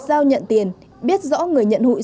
giao nhận tiền biết rõ người nhận hội